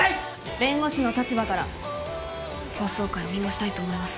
弁護士の立場から法曹界を見直したいと思います